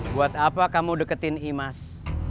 buat apa kamu deketin imas